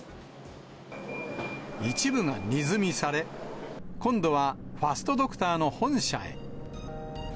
一部が荷積みされ、今度はファストドクターの本社へ。